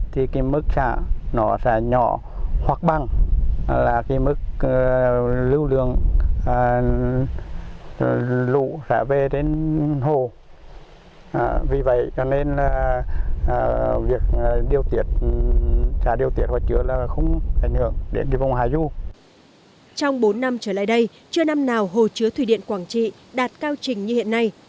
trong bốn năm trở lại đây chưa năm nào hồ chứa thủy điện quảng trị đạt cao trình như hiện nay